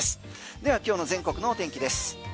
では今日の全国の天気です。